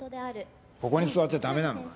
ここに座っちゃ駄目なのかよ。